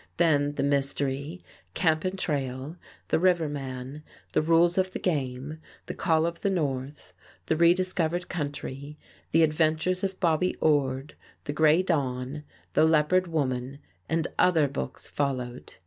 Then "The Mystery," "Camp and Trail," "The River Man," "The Rules of the Game," "The Call of the North," "The Rediscovered Country," "The Adventures of Bobby Orde," "The Gray Dawn," "The Leopard Woman," and other books followed.